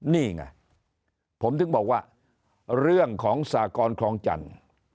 นี่ไงผมถึงบอกว่าเรื่องของสากรคลองจันทร์